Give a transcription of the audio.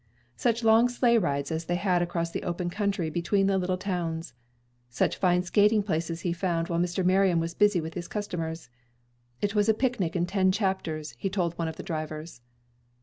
Such long sleigh rides as they had across the open country between little towns! Such fine skating places he found while Mr. Marion was busy with his customers! It was a picnic in ten chapters, he told one of the drivers.